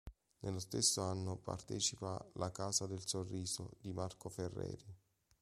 Nello stesso anno partecipa a "La casa del sorriso" di Marco Ferreri.